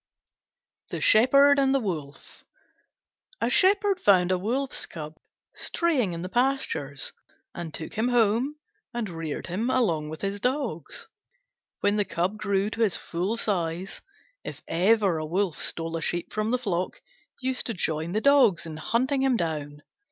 THE SHEPHERD AND THE WOLF A Shepherd found a Wolf's Cub straying in the pastures, and took him home and reared him along with his dogs. When the Cub grew to his full size, if ever a wolf stole a sheep from the flock, he used to join the dogs in hunting him down.